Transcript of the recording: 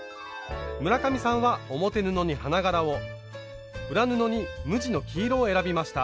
村上さんは表布に花柄を裏布に無地の黄色を選びました。